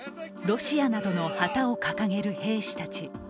ロシアなどの旗を掲げる兵士たち。